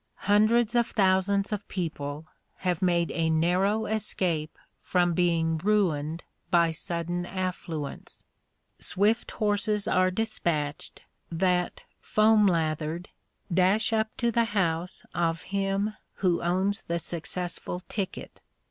Hundreds of thousands of people have made a narrow escape from being ruined by sudden affluence. Swift horses are despatched, that, foam lathered, dash up to the house of him who owns the successful ticket.